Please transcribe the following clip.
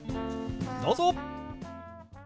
どうぞ！